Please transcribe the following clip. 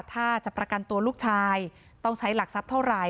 ถ้าจะประกันตัวลูกชายต้องใช้หลักทรัพย์เท่าไหร่